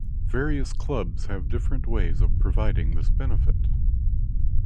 Various clubs have different ways of providing this benefit.